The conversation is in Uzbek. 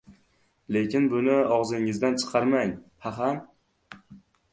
— Lekin buni og‘zingizdan chiqarmang, paxan...